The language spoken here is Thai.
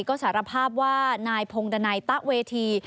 ก็สารภาพว่านายพงดันัยตะเวที